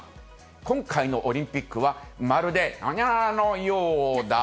今回のオリンピックはまるで×××のようだ。